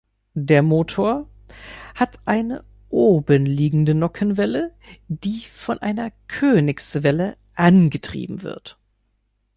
Der Motor hat eine obenliegende Nockenwelle, die von einer Königswelle angetrieben wird.